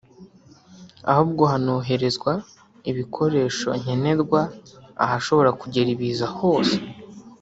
ahubwo hanoherezwa ibikoresho nkenerwa ahashobora kugera ibiza hose